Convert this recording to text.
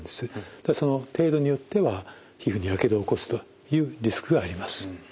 その程度によっては皮膚にやけどを起こすというリスクがあります。